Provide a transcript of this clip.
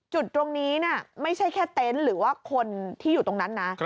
จุดตรงนี้ไม่ใช่แค่เต็นต์หรือว่าคนที่อยู่ตรงนั้นนะ